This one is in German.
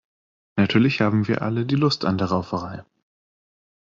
Natürlich haben wir alle die Lust an der Rauferei.